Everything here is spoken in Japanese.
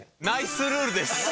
ナイスルールです。